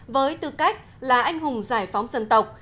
với tư cách là anh hùng giải phóng dân tộc